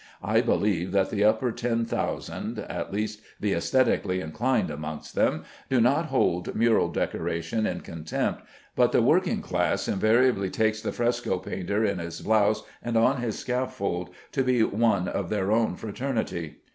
I believe that the upper ten thousand (at least the æsthetically inclined amongst them) do not hold mural decoration in contempt, but the working class invariably take the fresco painter in his blouse and on his scaffold to be one of their own fraternity.